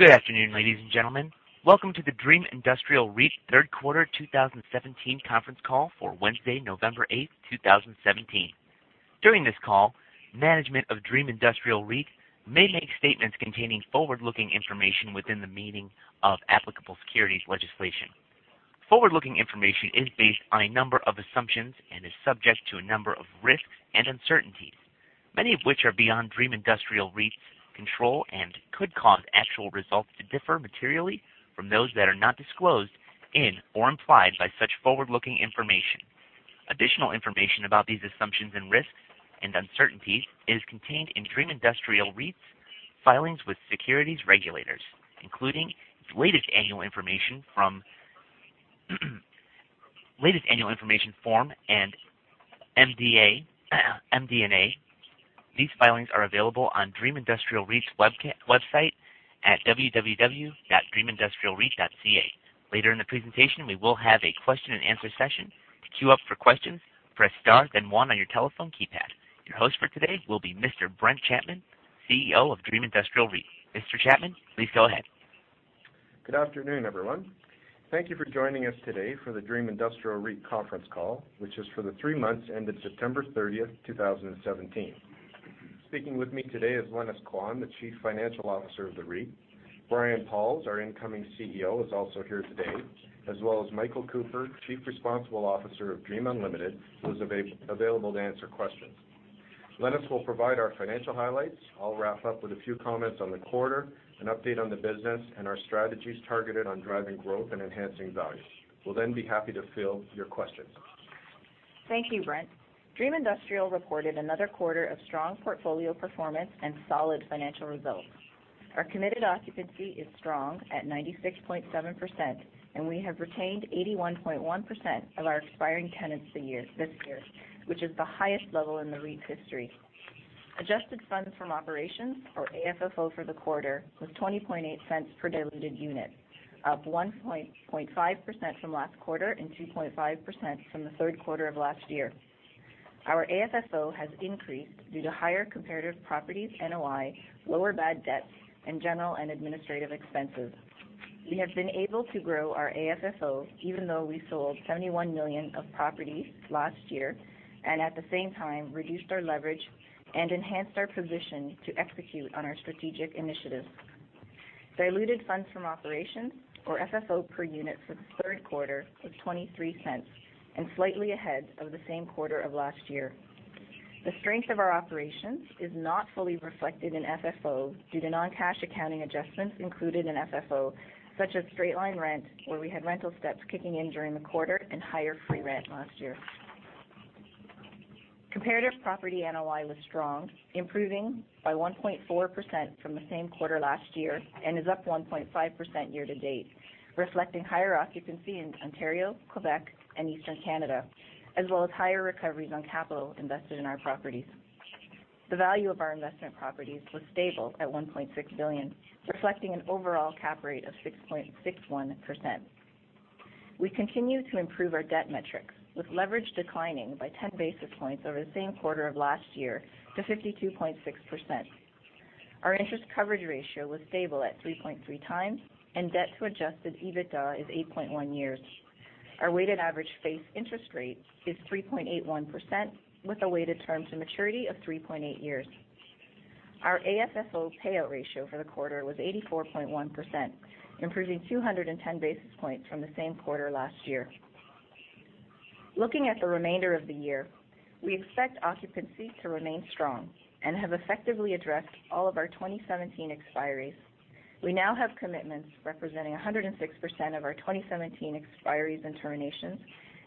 Good afternoon, ladies and gentlemen. Welcome to the Dream Industrial REIT third quarter 2017 conference call for Wednesday, November 8, 2017. During this call, management of Dream Industrial REIT may make statements containing forward-looking information within the meaning of applicable securities legislation. Forward-looking information is based on a number of assumptions and is subject to a number of risks and uncertainties, many of which are beyond Dream Industrial REIT's control and could cause actual results to differ materially from those that are not disclosed in or implied by such forward-looking information. Additional information about these assumptions and risks and uncertainties is contained in Dream Industrial REIT's filings with securities regulators, including its latest annual information form and MD&A. These filings are available on Dream Industrial REIT's website at www.dreamindustrialreit.ca. Later in the presentation, we will have a question and answer session. To queue up for questions, press star then one on your telephone keypad. Your host for today will be Mr. Brent Chapman, CEO of Dream Industrial REIT. Mr. Chapman, please go ahead. Good afternoon, everyone. Thank you for joining us today for the Dream Industrial REIT conference call, which is for the three months ended September 30, 2017. Speaking with me today is Lenis Quan, the Chief Financial Officer of the REIT. Brian Pauls, our incoming CEO, is also here today, as well as Michael Cooper, Chief Responsible Officer of Dream Unlimited, who is available to answer questions. Lenis will provide our financial highlights. I'll wrap up with a few comments on the quarter, an update on the business, and our strategies targeted on driving growth and enhancing value. We'll then be happy to field your questions. Thank you, Brent. Dream Industrial reported another quarter of strong portfolio performance and solid financial results. Our committed occupancy is strong at 96.7%, and we have retained 81.1% of our expiring tenants this year, which is the highest level in the REIT's history. Adjusted funds from operations or AFFO for the quarter was 0.208 per diluted unit, up 1.5% from last quarter and 2.5% from the third quarter of last year. Our AFFO has increased due to higher comparative properties NOI, lower bad debts, and general and administrative expenses. We have been able to grow our AFFO even though we sold 71 million of property last year, and at the same time, reduced our leverage and enhanced our position to execute on our strategic initiatives. Diluted funds from operations or FFO per unit for the third quarter was 0.23 and slightly ahead of the same quarter of last year. The strength of our operations is not fully reflected in FFO due to non-cash accounting adjustments included in FFO, such as straight-line rent, where we had rental steps kicking in during the quarter and higher free rent last year. Comparative property NOI was strong, improving by 1.4% from the same quarter last year and is up 1.5% year-to-date, reflecting higher occupancy in Ontario, Quebec, and Eastern Canada, as well as higher recoveries on capital invested in our properties. The value of our investment properties was stable at 1.6 billion, reflecting an overall cap rate of 6.61%. We continue to improve our debt metrics with leverage declining by 10 basis points over the same quarter of last year to 52.6%. Our interest coverage ratio was stable at 3.3 times and debt to adjusted EBITDA is 8.1 years. Our weighted average face interest rate is 3.81% with a weighted terms and maturity of 3.8 years. Our AFFO payout ratio for the quarter was 84.1%, improving 210 basis points from the same quarter last year. Looking at the remainder of the year, we expect occupancy to remain strong and have effectively addressed all of our 2017 expiries. We now have commitments representing 106% of our 2017 expiries and terminations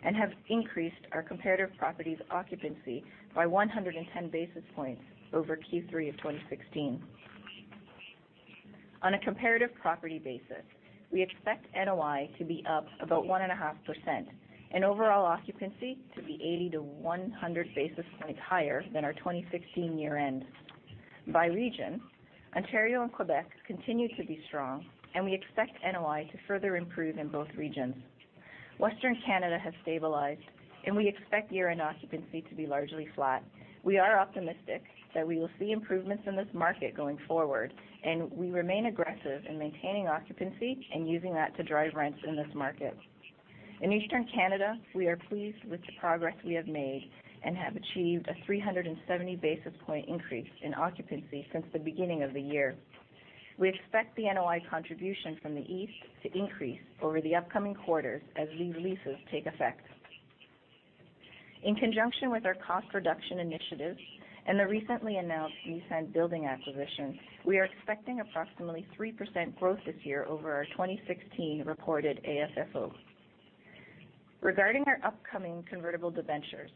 and have increased our comparative property's occupancy by 110 basis points over Q3 2016. On a comparative property basis, we expect NOI to be up about 1.5% and overall occupancy to be 80 to 100 basis points higher than our 2016 year-end. By region, Ontario and Quebec continue to be strong, and we expect NOI to further improve in both regions. Western Canada has stabilized, and we expect year-end occupancy to be largely flat. We are optimistic that we will see improvements in this market going forward, and we remain aggressive in maintaining occupancy and using that to drive rents in this market. In Eastern Canada, we are pleased with the progress we have made and have achieved a 370 basis point increase in occupancy since the beginning of the year. We expect the NOI contribution from the East to increase over the upcoming quarters as these leases take effect. In conjunction with our cost reduction initiatives and the recently announced East End building acquisition, we are expecting approximately 3% growth this year over our 2016 reported AFFO. Regarding our upcoming convertible debentures,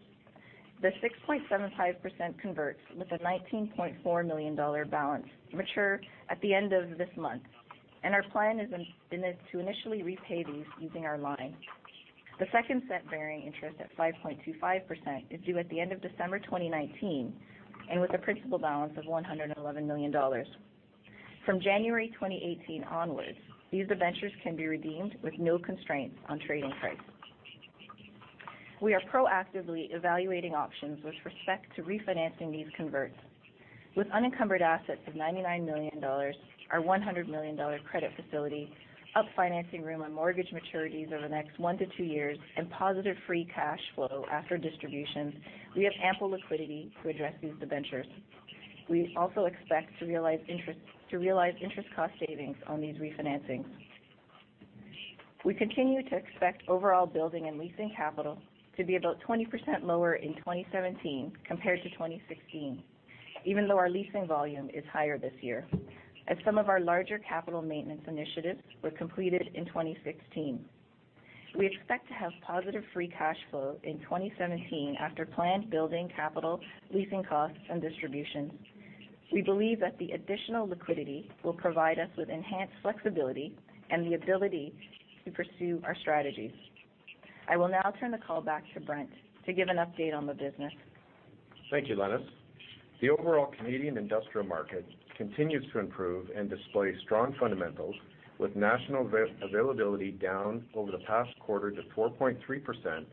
the 6.75% converts with a 19.4 million dollar balance mature at the end of this month. Our plan is to initially repay these using our line. The second set, bearing interest at 5.25%, is due at the end of December 2019 and with a principal balance of 111 million dollars. From January 2018 onwards, these debentures can be redeemed with no constraints on trading price. We are proactively evaluating options with respect to refinancing these converts. With unencumbered assets of 99 million dollars, our 100 million dollar credit facility, up financing room on mortgage maturities over the next 1-2 years, and positive free cash flow after distributions, we have ample liquidity to address these debentures. We also expect to realize interest cost savings on these refinancings. We continue to expect overall building and leasing capital to be about 20% lower in 2017 compared to 2016, even though our leasing volume is higher this year, as some of our larger capital maintenance initiatives were completed in 2016. We expect to have positive free cash flow in 2017 after planned building capital, leasing costs, and distributions. We believe that the additional liquidity will provide us with enhanced flexibility and the ability to pursue our strategies. I will now turn the call back to Brent to give an update on the business. Thank you, Lenis. The overall Canadian industrial market continues to improve and displays strong fundamentals, with national availability down over the past quarter to 4.3%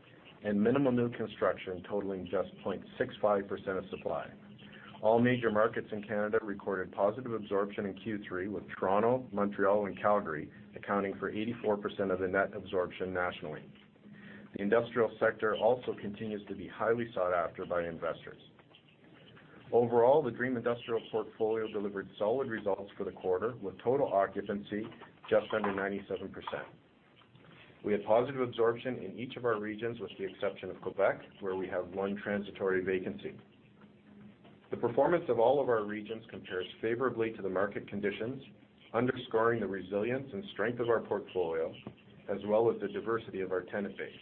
and minimal new construction totaling just 0.65% of supply. All major markets in Canada recorded positive absorption in Q3, with Toronto, Montreal, and Calgary accounting for 84% of the net absorption nationally. The industrial sector also continues to be highly sought after by investors. Overall, the Dream Industrial portfolio delivered solid results for the quarter, with total occupancy just under 97%. We had positive absorption in each of our regions, with the exception of Quebec, where we have one transitory vacancy. The performance of all of our regions compares favorably to the market conditions, underscoring the resilience and strength of our portfolio, as well as the diversity of our tenant base.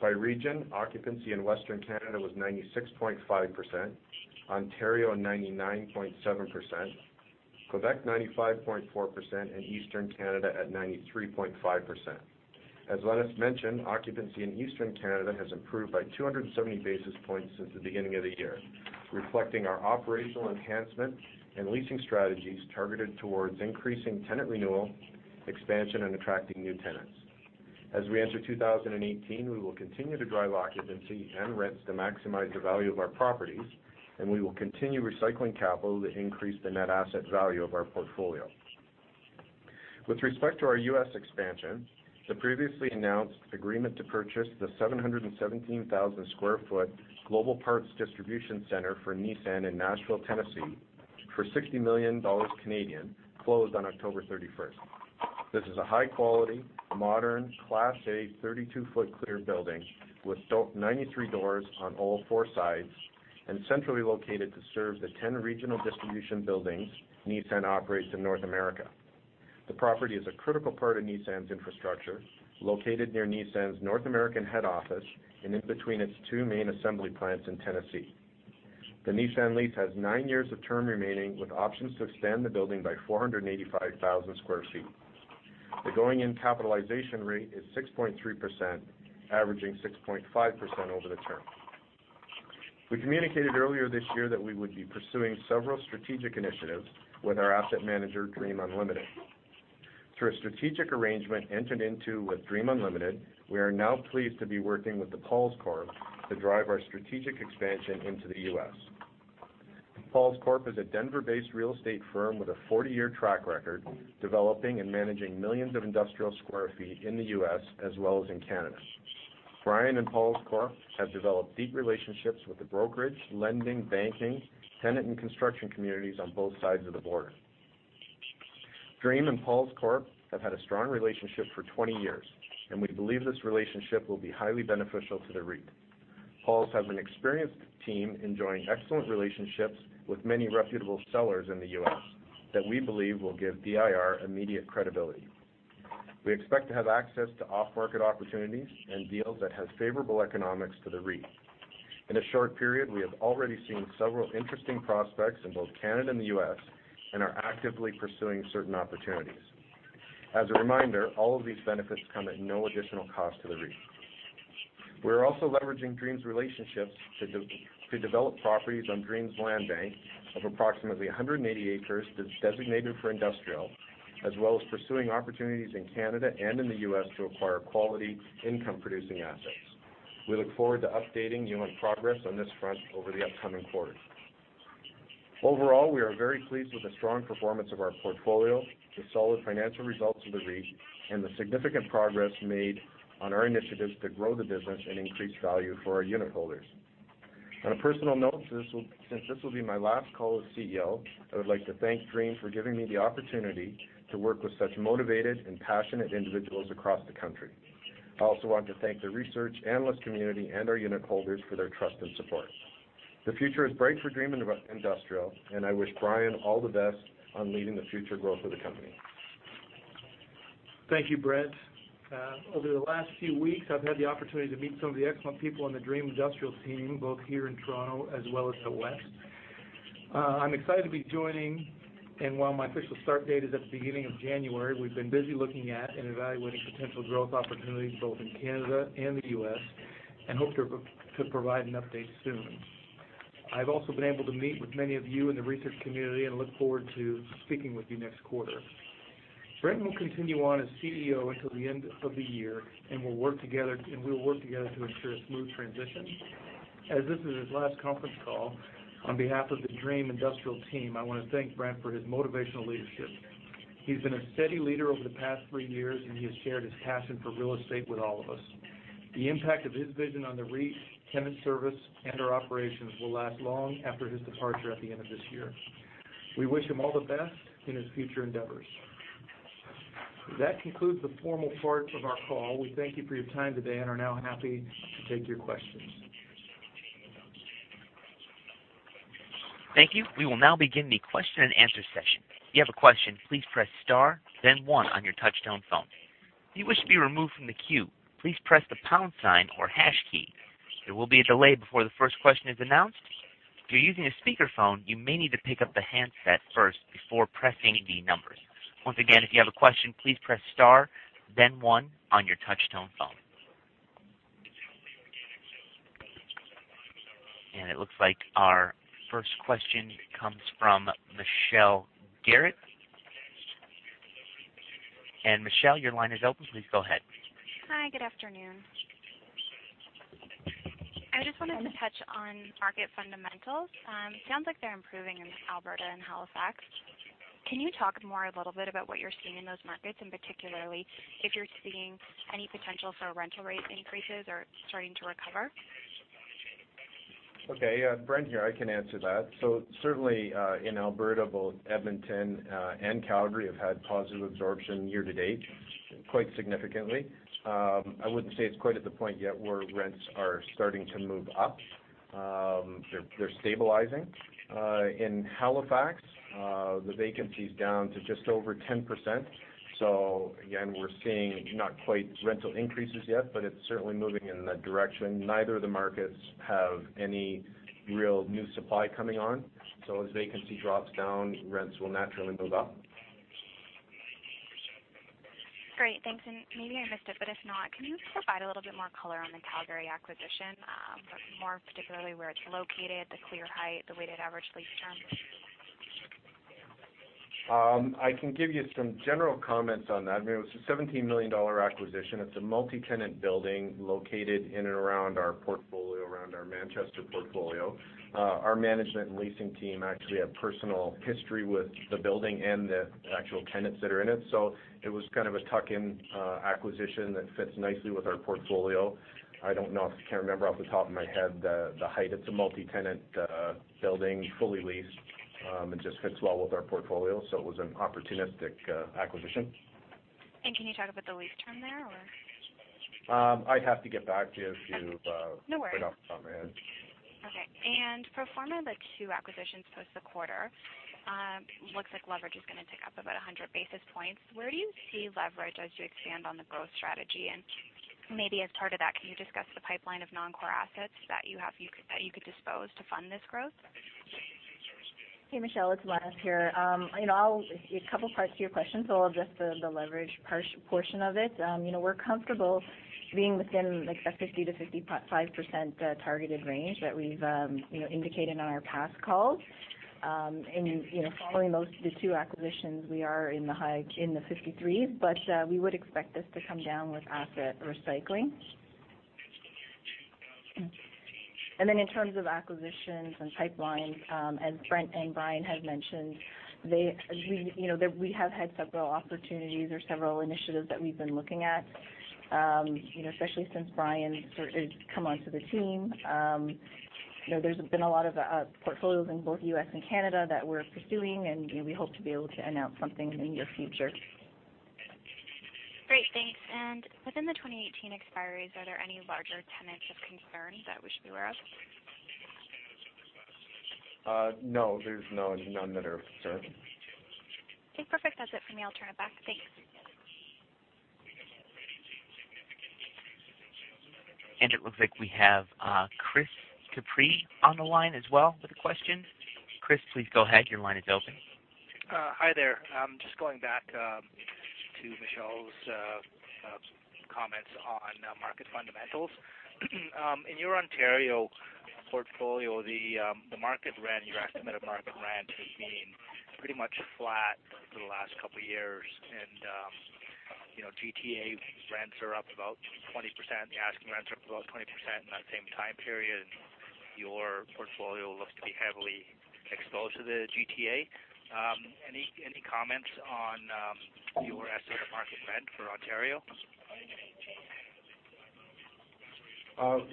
By region, occupancy in Western Canada was 96.5%, Ontario 99.7%, Quebec 95.4%, and Eastern Canada at 93.5%. As Lenis mentioned, occupancy in Eastern Canada has improved by 270 basis points since the beginning of the year, reflecting our operational enhancement and leasing strategies targeted towards increasing tenant renewal, expansion, and attracting new tenants. As we enter 2018, we will continue to drive occupancy and rents to maximize the value of our properties, and we will continue recycling capital to increase the net asset value of our portfolio. With respect to our U.S. expansion, the previously announced agreement to purchase the 717,000 square foot Global Parts Distribution Center for Nissan in Nashville, Tennessee for 60 million Canadian dollars closed on October 31st. This is a high-quality, modern, class A, 32-foot clear building with 93 doors on all four sides and centrally located to serve the 10 regional distribution buildings Nissan operates in North America. The property is a critical part of Nissan's infrastructure, located near Nissan's North American head office and in between its two main assembly plants in Tennessee. The Nissan lease has nine years of term remaining, with options to extend the building by 485,000 square feet. The going-in capitalization rate is 6.3%, averaging 6.5% over the term. We communicated earlier this year that we would be pursuing several strategic initiatives with our asset manager, Dream Unlimited. Through a strategic arrangement entered into with Dream Unlimited, we are now pleased to be working with the Pauls Corp to drive our strategic expansion into the U.S. Pauls Corp is a Denver-based real estate firm with a 40-year track record, developing and managing millions of industrial square feet in the U.S. as well as in Canada. Brian and Pauls Corp have developed deep relationships with the brokerage, lending, banking, tenant, and construction communities on both sides of the border. Dream and Pauls Corp have had a strong relationship for 20 years, and we believe this relationship will be highly beneficial to the REIT. Pauls has an experienced team, enjoying excellent relationships with many reputable sellers in the U.S. that we believe will give DIR immediate credibility. We expect to have access to off-market opportunities and deals that have favorable economics for the REIT. In a short period, we have already seen several interesting prospects in both Canada and the U.S. and are actively pursuing certain opportunities. As a reminder, all of these benefits come at no additional cost to the REIT. We're also leveraging Dream's relationships to develop properties on Dream's land bank of approximately 180 acres that's designated for industrial, as well as pursuing opportunities in Canada and in the U.S. to acquire quality income-producing assets. We look forward to updating you on progress on this front over the upcoming quarters. Overall, we are very pleased with the strong performance of our portfolio, the solid financial results of the REIT, and the significant progress made on our initiatives to grow the business and increase value for our unit holders. On a personal note, since this will be my last call as CEO, I would like to thank Dream for giving me the opportunity to work with such motivated and passionate individuals across the country. I also want to thank the research analyst community and our unit holders for their trust and support. The future is bright for Dream Industrial, and I wish Brian all the best on leading the future growth of the company. Thank you, Brent. Over the last few weeks, I've had the opportunity to meet some of the excellent people on the Dream Industrial team, both here in Toronto as well as the West. I'm excited to be joining, and while my official start date is at the beginning of January, we've been busy looking at and evaluating potential growth opportunities both in Canada and the U.S. and hope to provide an update soon. I've also been able to meet with many of you in the research community and look forward to speaking with you next quarter. Brent will continue on as CEO until the end of the year, and we'll work together to ensure a smooth transition. As this is his last conference call, on behalf of the Dream Industrial team, I want to thank Brent for his motivational leadership. He's been a steady leader over the past three years, and he has shared his passion for real estate with all of us. The impact of his vision on the REIT, tenant service, and our operations will last long after his departure at the end of this year. We wish him all the best in his future endeavors. That concludes the formal part of our call. We thank you for your time today and are now happy to take your questions. Thank you. We will now begin the question and answer session. If you have a question, please press star then one on your touch-tone phone. If you wish to be removed from the queue, please press the pound sign or hash key. There will be a delay before the first question is announced. If you're using a speakerphone, you may need to pick up the handset first before pressing any numbers. Once again, if you have a question, please press star then one on your touch-tone phone. It looks like our first question comes from Michelle Garrett. Michelle, your line is open. Please go ahead. Hi, good afternoon. I just wanted to touch on market fundamentals. It sounds like they're improving in Alberta and Halifax. Can you talk more a little bit about what you're seeing in those markets, and particularly if you're seeing any potential for rental rate increases or starting to recover? Okay. Yeah, Brent here. I can answer that. Certainly, in Alberta, both Edmonton and Calgary have had positive absorption year-to-date, quite significantly. I wouldn't say it's quite at the point yet where rents are starting to move up. They're stabilizing. In Halifax, the vacancy's down to just over 10%. Again, we're seeing not quite rental increases yet, but it's certainly moving in that direction. Neither of the markets have any real new supply coming on. As vacancy drops down, rents will naturally move up. Great. Thanks. Maybe I missed it, but if not, can you provide a little bit more color on the Calgary acquisition, more particularly where it's located, the clear height, the weighted average lease term? I can give you some general comments on that. I mean, it was a 17 million dollar acquisition. It's a multi-tenant building located in and around our portfolio, around our Manchester portfolio. Our management and leasing team actually have personal history with the building and the actual tenants that are in it. It was kind of a tuck-in acquisition that fits nicely with our portfolio. I don't know, I can't remember off the top of my head the height. It's a multi-tenant building, fully leased, and just fits well with our portfolio. It was an opportunistic acquisition. Can you talk about the lease term there, or? I'd have to get back to you. Okay. No worries put up on hand. Okay. Pro forma the two acquisitions post the quarter, looks like leverage is going to tick up about 100 basis points. Where do you see leverage as you expand on the growth strategy? Maybe as part of that, can you discuss the pipeline of non-core assets that you have, that you could dispose to fund this growth? Hey, Michelle, it's Lenis here. A couple parts to your question, so I'll address the leverage portion of it. We're comfortable being within, like, that 50%-55% targeted range that we've indicated on our past calls. Following those, the two acquisitions, we are in the high, in the 53s, but we would expect this to come down with asset recycling. Then in terms of acquisitions and pipeline, as Brent and Brian have mentioned, we have had several opportunities or several initiatives that we've been looking at, especially since Brian has come onto the team. There's been a lot of portfolios in both U.S. and Canada that we're pursuing, and we hope to be able to announce something in the near future. Great, thanks. Within the 2018 expiries, are there any larger tenants of concern that we should be aware of? No, there's none that are of concern. Okay, perfect. That's it for me. I'll turn it back. Thanks. It looks like we have Chris Cabiya on the line as well with a question. Chris, please go ahead. Your line is open. Hi there. Just going back to Michelle Garrett’s comments on market fundamentals. In your Ontario portfolio, the market rent, your estimated market rent has been pretty much flat for the last couple of years. GTA rents are up about 20%, the asking rents are up about 20% in that same time period. Your portfolio looks to be heavily exposed to the GTA. Any comments on your estimated market rent for Ontario?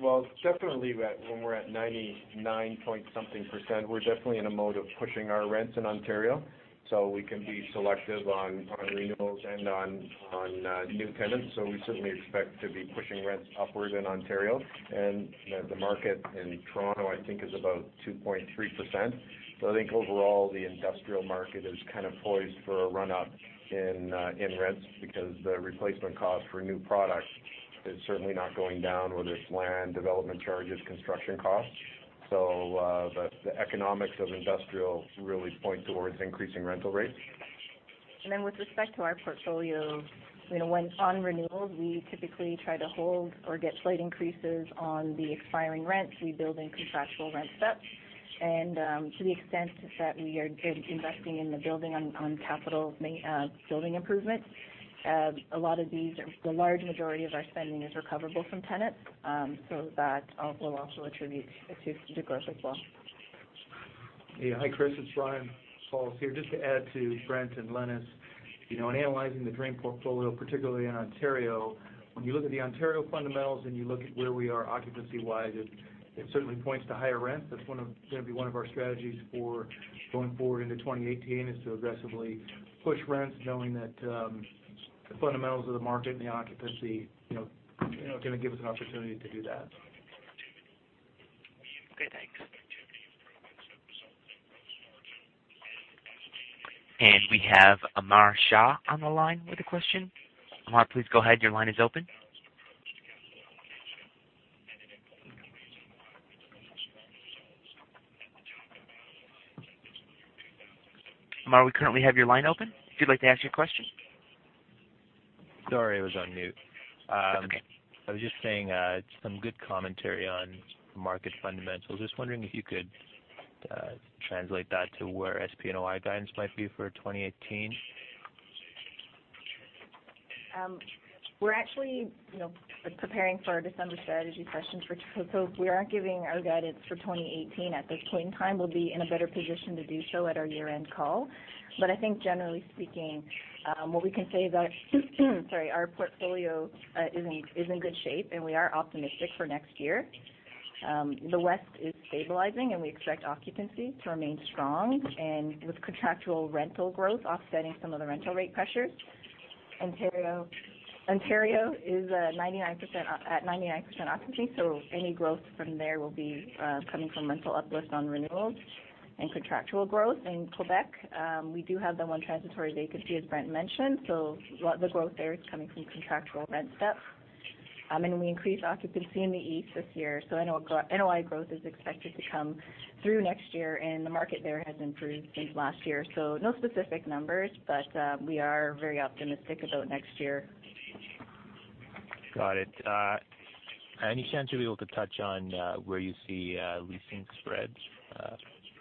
Well, definitely when we're at 99-point-something%, we're definitely in a mode of pushing our rents in Ontario, so we can be selective on renewals and on new tenants. We certainly expect to be pushing rents upwards in Ontario. The market in Toronto, I think, is about 2.3%. I think overall, the industrial market is kind of poised for a run-up in rents because the replacement cost for a new product is certainly not going down, whether it's land development charges, construction costs. The economics of industrial really point towards increasing rental rates. With respect to our portfolio When on renewals, we typically try to hold or get slight increases on the expiring rents. We build in contractual rent steps. To the extent that we are investing in the building on capital building improvement, the large majority of our spending is recoverable from tenants. That will also attribute to growth as well. Yeah. Hi, Chris Cabiya. It's Brian Pauls here. Just to add to Brent Chapman and Lenis Quan. In analyzing the Dream portfolio, particularly in Ontario, when you look at the Ontario fundamentals and you look at where we are occupancy-wise, it certainly points to higher rent. That's going to be one of our strategies for going forward into 2018, is to aggressively push rents, knowing that the fundamentals of the market and the occupancy, are going to give us an opportunity to do that. Okay, thanks. We have Amar Shah on the line with a question. Amar, please go ahead. Your line is open. Amar, we currently have your line open. If you'd like to ask your question. Sorry, I was on mute. That's okay. I was just saying, some good commentary on market fundamentals. Just wondering if you could translate that to where SPNOI guidance might be for 2018. We're actually preparing for our December strategy session. We aren't giving our guidance for 2018 at this point in time. We'll be in a better position to do so at our year-end call. I think generally speaking, what we can say is our, sorry, our portfolio is in good shape, and we are optimistic for next year. The West is stabilizing, and we expect occupancy to remain strong and with contractual rental growth offsetting some of the rental rate pressures. Ontario is at 99% occupancy, so any growth from there will be coming from rental uplifts on renewals and contractual growth. In Quebec, we do have the one transitory vacancy, as Brent mentioned, so the growth there is coming from contractual rent steps. We increased occupancy in the East this year, NOI growth is expected to come through next year, the market there has improved since last year. No specific numbers, but we are very optimistic about next year. Got it. Any chance you'll be able to touch on where you see leasing spreads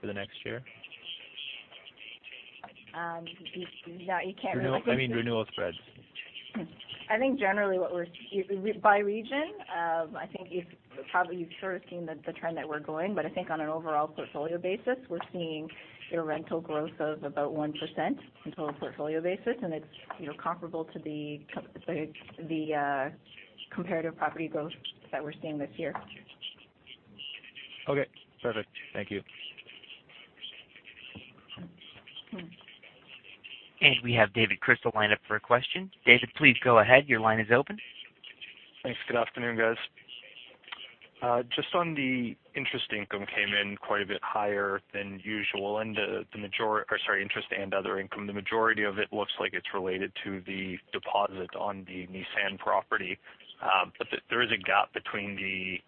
for the next year? No, you can't. I mean, renewal spreads. By region, I think probably you've sort of seen the trend that we're going, but I think on an overall portfolio basis, we're seeing rental growth of about 1% on total portfolio basis, and it's comparable to the comparative property growth that we're seeing this year. Okay, perfect. Thank you. We have Dave Crystal lined up for a question. David, please go ahead. Your line is open. Thanks. Good afternoon, guys. Just on the interest income came in quite a bit higher than usual, or, sorry, interest and other income. The majority of it looks like it is related to the deposit on the Nissan property. There is a gap between the,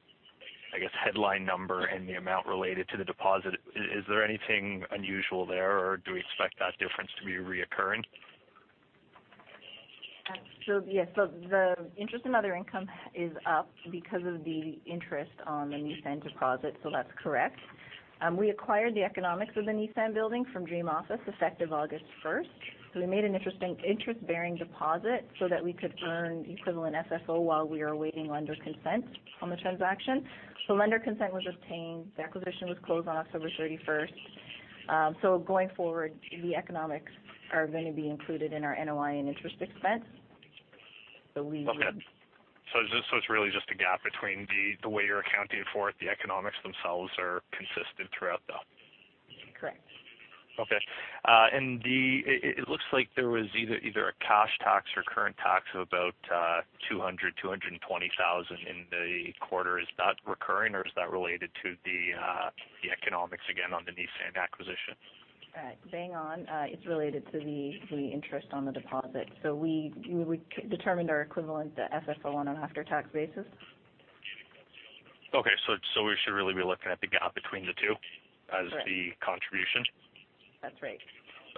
I guess, headline number and the amount related to the deposit. Is there anything unusual there, or do we expect that difference to be reoccurring? Yes. The interest in other income is up because of the interest on the Nissan deposit, so that is correct. We acquired the economics of the Nissan building from Dream Office effective August 1st. We made an interest-bearing deposit so that we could earn the equivalent FFO while we are awaiting lender consent on the transaction. The lender consent was obtained. The acquisition was closed on October 31st. Going forward, the economics are going to be included in our NOI and interest expense. Okay. It is really just a gap between the way you are accounting for it. The economics themselves are consistent throughout, though. Correct. Okay. It looks like there was either a cash tax or current tax of about 220,000 in the quarter. Is that recurring, or is that related to the economics again on the Nissan acquisition? Right. Bang on. It's related to the interest on the deposit. We determined our equivalent to FFO on an after-tax basis. Okay. We should really be looking at the gap between the two as- Correct the contribution? That's right.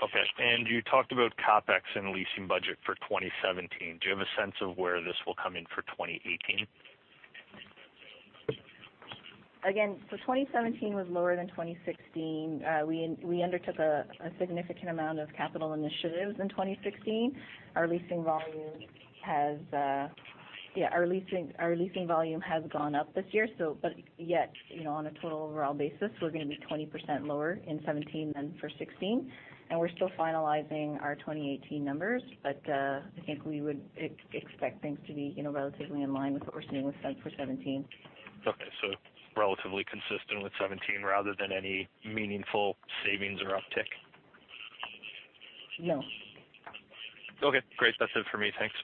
Okay. You talked about CapEx and leasing budget for 2017. Do you have a sense of where this will come in for 2018? Again, 2017 was lower than 2016. We undertook a significant amount of capital initiatives in 2016. Our leasing volume has gone up this year, but yet, on a total overall basis, we're going to be 20% lower in 2017 than for 2016, and we're still finalizing our 2018 numbers. I think we would expect things to be relatively in line with what we're seeing with spent for 2017. Okay. Relatively consistent with 2017 rather than any meaningful savings or uptick. No. Okay, great. That's it for me. Thanks.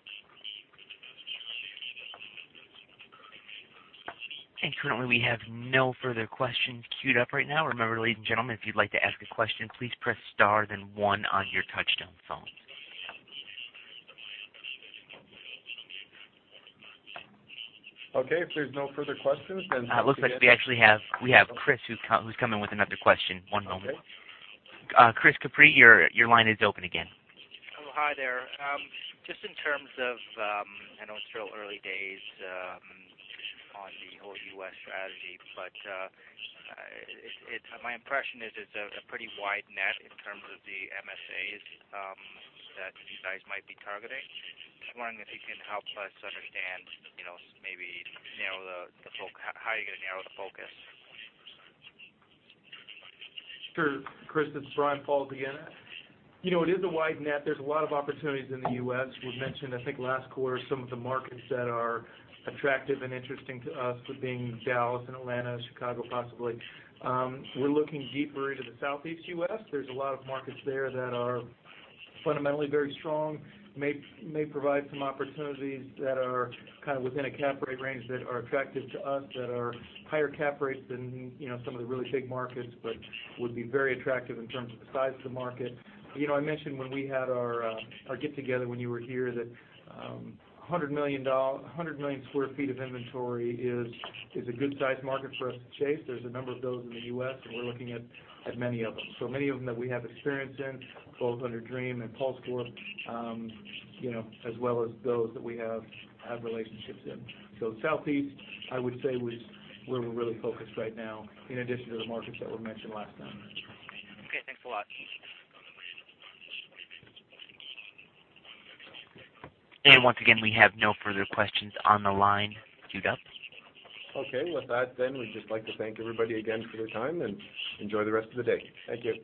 Currently, we have no further questions queued up right now. Remember, ladies and gentlemen, if you'd like to ask a question, please press star then one on your touch-tone phone. Okay. If there's no further questions. It looks like we actually have Chris, who's come in with another question. One moment. Okay. Chris Cabiya, your line is open again. Oh, hi there. Just in terms of, I know it's still early days on the whole U.S. strategy, but my impression is it's a pretty wide net in terms of the MSAs that you guys might be targeting. Just wondering if you can help us understand, maybe how you're going to narrow the focus. Sure, Chris, this is Brian Pauls again. It is a wide net. There's a lot of opportunities in the U.S. We've mentioned, I think, last quarter, some of the markets that are attractive and interesting to us with being Dallas and Atlanta, Chicago, possibly. We're looking deeper into the Southeast U.S. There's a lot of markets there that are fundamentally very strong, may provide some opportunities that are kind of within a cap rate range that are attractive to us, that are higher cap rates than some of the really big markets but would be very attractive in terms of the size of the market. I mentioned when we had our get-together when you were here that 100 million sq ft of inventory is a good size market for us to chase. There's a number of those in the U.S., and we're looking at many of them. Many of them that we have experience in, both under Dream and Pauls Corp, as well as those that we have relationships in. Southeast, I would say, we're really focused right now, in addition to the markets that were mentioned last time. Okay, thanks a lot. Once again, we have no further questions on the line queued up. Okay, with that, we'd just like to thank everybody again for their time, and enjoy the rest of the day. Thank you.